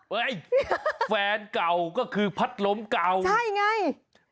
แฟนเก่าก็คือพัดลมเก่าใช่ไง